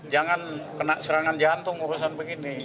jangan kena serangan jantung urusan begini